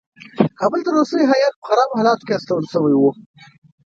کابل ته روسي هیات په خرابو حالاتو کې استول شوی وو.